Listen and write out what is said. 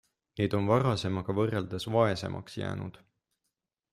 Need on varasemaga võrreldes vaesemaks jäänud.